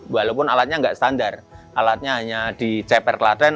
walaupun alatnya enggak standar alatnya hanya di cepertlatin